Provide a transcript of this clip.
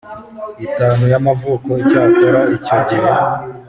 itanu y amavuko Icyakora icyo gihe